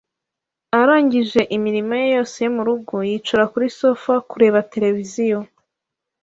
Arangije imirimo ye yose yo mu rugo, yicara kuri sofa kureba televiziyo.